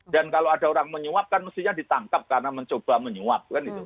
dan kalau ada orang menyuap kan mestinya ditangkap karena mencoba menyuap